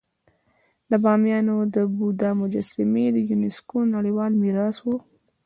د بامیانو د بودا مجسمې د یونسکو نړیوال میراث وو